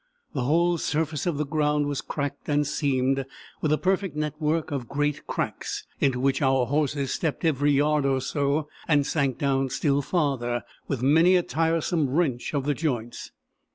The whole surface of the ground was cracked and seamed with a perfect net work of great cracks, into which our horses stepped every yard or so, and sank down still farther, with many a tiresome wrench of the joints.